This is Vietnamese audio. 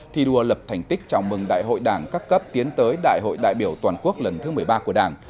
thi đua lập thành tích chào mừng đại hội đảng các cấp tiến tới đại hội đại biểu toàn quốc lần thứ một mươi ba của đảng